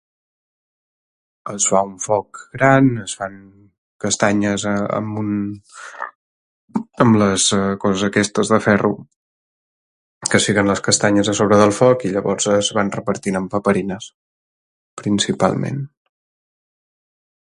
Es fa un foc gran, es fan castanyes amb un... amb les coses aquestes de ferro que es fiquen les castanyes a sobre del foc i llavors es van repartint en paperines... principalment.